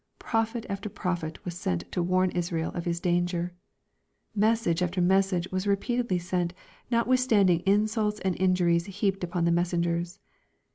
Prophet after prophet was sent to warn Israel of his danger. Message after message was repeatedly sent, notwithstanding in sults and injuries heaped on the messengers.